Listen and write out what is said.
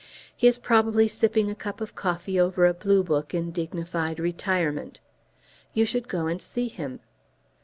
He is probably sipping a cup of coffee over a blue book in dignified retirement. You should go and see him."